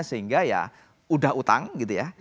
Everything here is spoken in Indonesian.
sehingga ya udah utang gitu ya